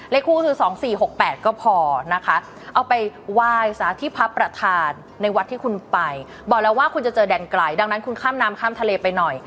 เลขคู่คือ๒๔๖๘ก็พอนะคะเอาไปไหว้สาธิพระประธานในวัดที่คุณไปบอกแล้วว่าคุณจะเจอแดนไกลดังนั้นคุณข้ามน้ำข้ามทะเลไปหน่อย